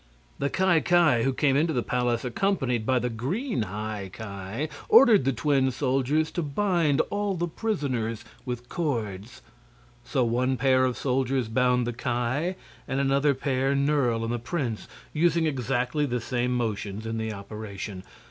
The Ki Ki, who came into the palace accompanied by the green High Ki, ordered the twin soldiers to bind all the prisoners with cords. So one pair of soldiers bound the Ki and another pair Nerle and the prince, using exactly the same motions in the operation.